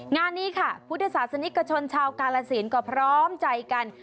งานนี้ค่ะพุทธศาสนิกชนชาวกาลสินก็พร้อมใจกัน